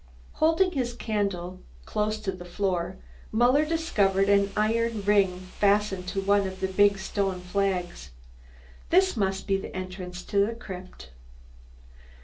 Holding his candle close to the floor Muller discovered an iron ring fastened to one of the big stone flags. This must be the entrance to the crypt.